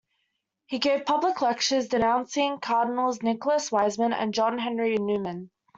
He gave public lectures denouncing Cardinals Nicholas Wiseman and John Henry Newman.